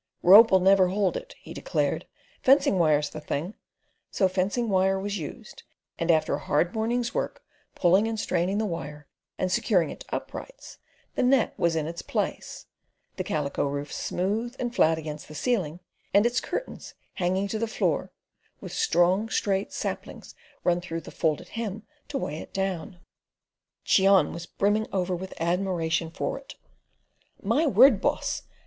"Rope'll never hold it," he declared; "fencing wire's the thing," so fencing wire was used, and after a hard morning's work pulling and straining the wire and securing it to uprights, the net was in its place, the calico roof smooth and flat against the ceiling, and its curtains hanging to the floor, with strong, straight saplings run through the folded hem to weigh it down. Cheon was brimming over with admiration for it. "My word, boss!